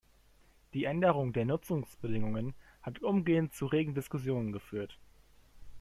Die Änderung der Nutzungsbedingungen hat umgehend zu regen Diskussionen geführt.